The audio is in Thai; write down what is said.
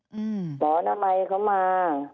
หมออนามัยเขามา